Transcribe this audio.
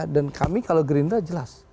dan kami kalau gerindra jelas